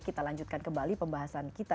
kita lanjutkan kembali pembahasan kita